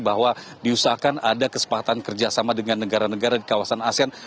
bahwa diusahakan ada kesempatan kerjasama dengan negara negara di kawasan asean